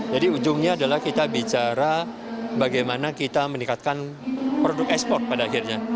jadi ujungnya adalah kita bicara bagaimana kita meningkatkan produk ekspor pada akhirnya